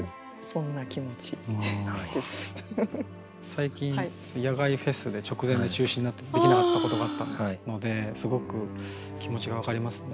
最近野外フェスで直前で中止になってできなかったことがあったのですごく気持ちが分かりますね。